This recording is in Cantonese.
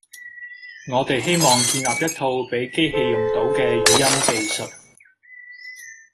我哋希望建立一套畀機器用到嘅語音技術